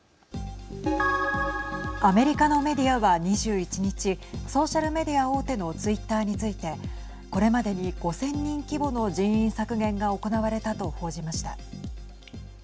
アメリカのメディアは２１日ソーシャルメディア大手のツイッターについてこれまでに５０００人規模の人員削減が行われたと報じました。